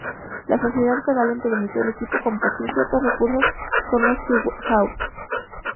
La sociedad con Allen permitió al equipo compartir ciertos recursos con los Seahawks.